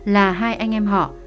là hai anh em họ